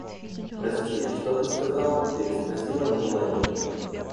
— Прости, что ты сказал? — переспросила Мелони.